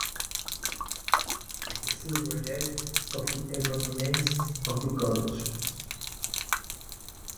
It forms the silver head of the ebony mace of the College.